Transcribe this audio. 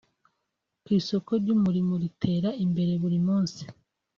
Ku isoko ry’umurimo ritera imbere buri munsi